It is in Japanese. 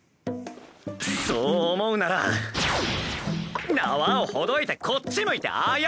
そう思うなら縄をほどいてこっち向いて謝れ！